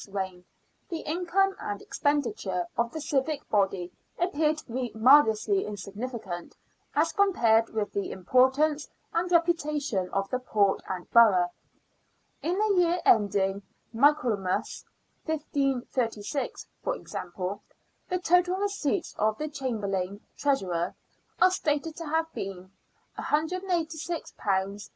's reign, the income and expenditure of the civic body appear to be marvellously insignificant as compared with the importance and reputa tion of the port and borough. In the year ending Michaelmas, 1536, for example, the total receipts of the Chamberlain (Treasurer) are stated to have been £186 8s.